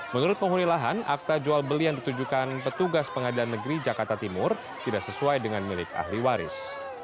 menurut penghuni lahan akta jual beli yang ditujukan petugas pengadilan negeri jakarta timur tidak sesuai dengan milik ahli waris